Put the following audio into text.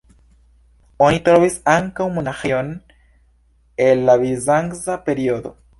Oni trovis ankaŭ monaĥejon el la bizanca periodo.